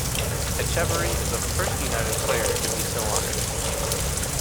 Etcheverry is the first United player to be so honored.